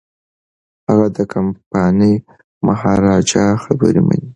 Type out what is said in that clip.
هغه د کمپانۍ او مهاراجا خبره مني.